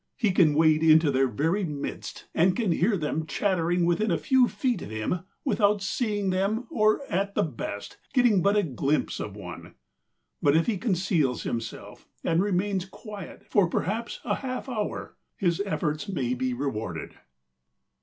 He can wade into their very midst and can hear them chattering within a few feet of him without seeing them or at the best getting but a glimpse of one. But if he conceals himself and remains quiet for perhaps a half hour his efforts may be rewarded.